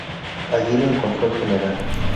Allí lo encontró el Gral.